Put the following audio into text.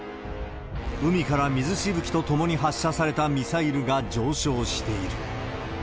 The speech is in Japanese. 海から水しぶきとともに発射されたミサイルが上昇している。